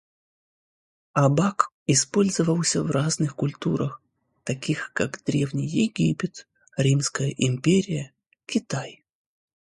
Абак использовался в разных культурах, таких как древний Египет, Римская империя, Китай.